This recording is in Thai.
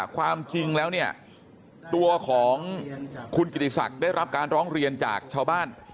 ความจริงแล้วเนี่ยตัวของคุณกิติศักดิ์ได้รับการร้องเรียนจากชาวบ้าน